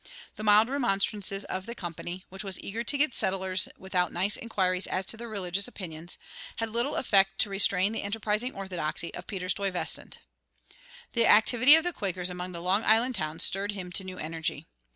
The mild remonstrances of the Company, which was eager to get settlers without nice inquiries as to their religious opinions, had little effect to restrain the enterprising orthodoxy of Peter Stuyvesant. The activity of the Quakers among the Long Island towns stirred him to new energy.